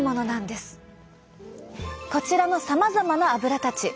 こちらのさまざまなアブラたち。